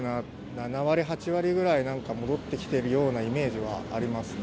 ７割、８割ぐらい、なんか戻ってきているようなイメージはありますね。